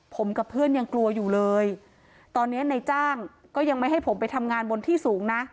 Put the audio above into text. ผมกับเพื่อนยังกลัวอยู่เลยตอนนี้ในจ้างก็ยังไม่ให้ผมไปทำงานบนที่สูงนะ